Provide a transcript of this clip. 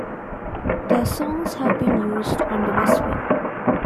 Their songs have been used on "The West Wing".